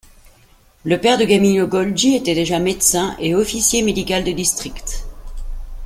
Le père de Camillo Golgi était déjà médecin et officier médical de district.